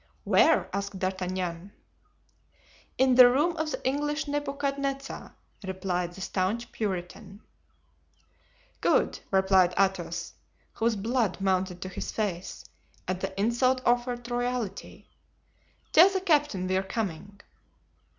"Where?" asked D'Artagnan. "In the room of the English Nebuchadnezzar," replied the staunch Puritan. "Good," replied Athos, whose blood mounted to his face at the insult offered to royalty; "tell the captain we are coming."